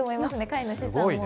飼い主さん。